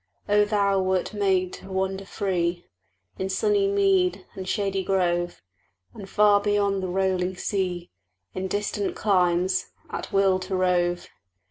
Oh, thou wert made to wander free In sunny mead and shady grove, And far beyond the rolling sea, In distant climes, at will to rove!